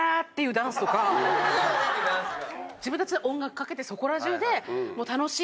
自分たちで音楽かけてそこら中で。